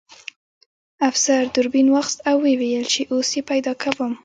افسر دوربین واخیست او ویې ویل چې اوس یې پیدا کوم